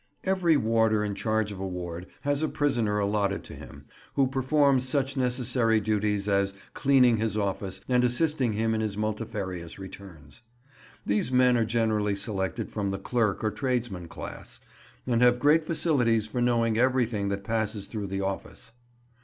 Every warder in charge of a ward has a prisoner allotted to him, who performs such necessary duties as cleaning his office and assisting him in his multifarious returns. These men are generally selected from the clerk or tradesman class, and have great facilities for knowing everything that passes through the office.